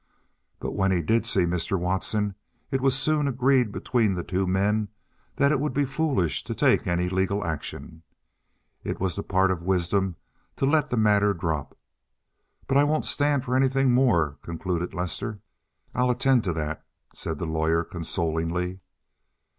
But when he did see Mr. Watson it was soon agreed between the two men that it would be foolish to take any legal action. It was the part of wisdom to let the matter drop. "But I won't stand for anything more," concluded Lester. "I'll attend to that," said the lawyer, consolingly.